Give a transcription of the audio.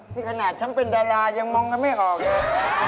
นี่ขนาดฉันเป็นดารายังมองกันไม่ออกเลย